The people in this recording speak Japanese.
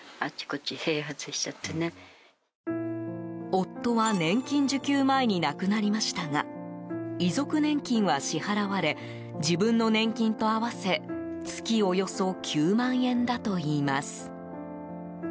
夫は、年金受給前に亡くなりましたが遺族年金は支払われ自分の年金と合わせ月およそ９万円だといいます。